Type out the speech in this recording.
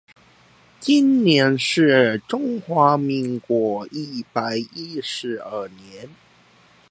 今年是中華民國一百一十二年